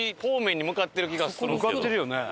向かってるよね。